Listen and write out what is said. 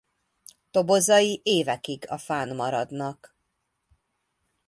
Tobozai évekig a fán maradnak.